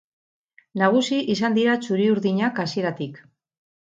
Nagusi izan dira txuri-urdinak hasieratik.